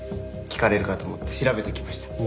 聞かれるかと思って調べてきました。